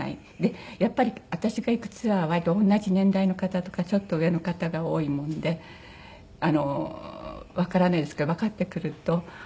やっぱり私が行くツアーは割と同じ年代の方とかちょっと上の方が多いものでわからないですけどわかってくるとでも。